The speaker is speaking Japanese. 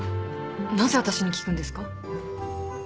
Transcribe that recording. なぜ私に聞くんですか？